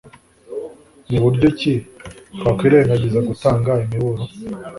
ni buryo ki twakwirengagiza gutanga imiburo